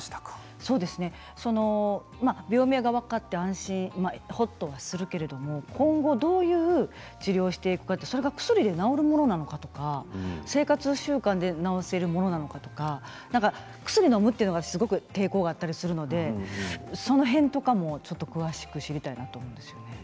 病名が分かって安心、ほっとするけれども今後どういう治療をしていくかそれが薬で治るものなのか生活習慣で治せるものなのか薬をのむというのがすごく抵抗があったりするのでそういう面も詳しく知りたいなと思います。